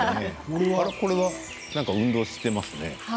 これは運動していますね。